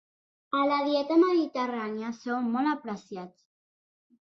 A la dieta mediterrània són molt apreciats.